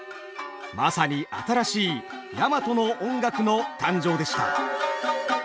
まさに新しい大和の音楽の誕生でした。